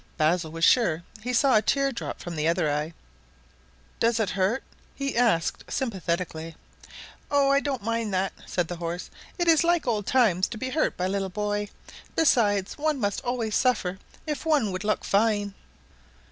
Basil was sure he saw a tear drop from the other eye. "Does it hurt?" he asked sympathetically. "Oh, I don't mind that," said the horse. "It is like old times to be hurt by a little boy; besides, one must always suffer if one would look fine."